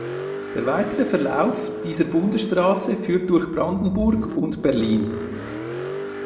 Der weitere Verlauf dieser Bundesstraße führt durch Brandenburg und Berlin.